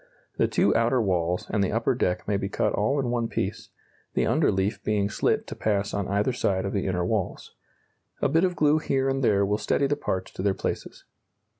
The two outer walls and the upper deck may be cut all in one piece, the under leaf being slit to pass on either side of the inner walls. A bit of glue here and there will steady the parts to their places.